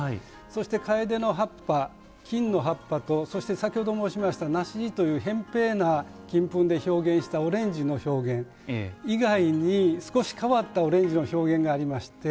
そしてカエデの葉っぱ金の葉っぱとそして先ほど申しました梨子地というへん平な金粉で表現したオレンジの表現以外に少し変わったオレンジの表現がありまして。